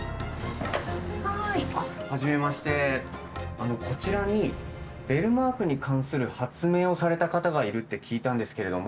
あのこちらにベルマークに関する発明をされた方がいるって聞いたんですけれども。